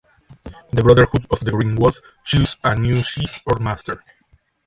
The Brotherhood of the Green Wolf chose a new chief or master.